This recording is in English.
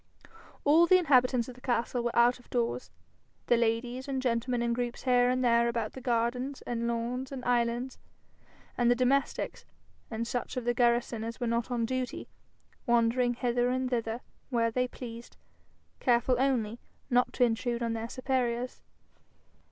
All the inhabitants of the castle were out of doors, the ladies and gentlemen in groups here and there about the gardens and lawns and islands, and the domestics, and such of the garrison as were not on duty, wandering hither and thither where they pleased, careful only not to intrude on their superiors.